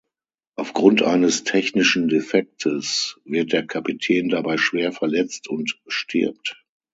Aufgrund eines technischen Defektes wird der Kapitän dabei schwer verletzt und stirbt.